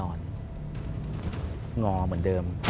องอเหมือนเดิม